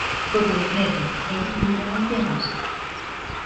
Godofredo era un hombre muy piadoso.